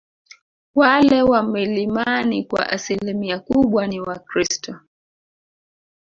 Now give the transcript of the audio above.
Wale wa milimani kwa asilimia kubwa ni wakristo